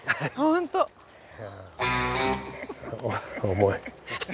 重い。